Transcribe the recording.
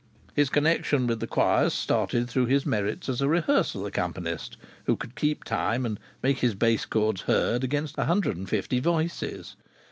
His connection with choirs started through his merits as a rehearsal accompanist who could keep time and make his bass chords heard against a hundred and fifty voices.